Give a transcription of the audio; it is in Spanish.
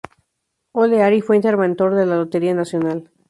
O`Leary fue interventor de la Lotería Nacional.